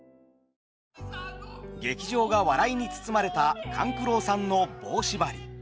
劇場が笑いに包まれた勘九郎さんの「棒しばり」。